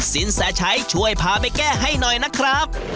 สินแสชัยช่วยพาไปแก้ให้หน่อยนะครับ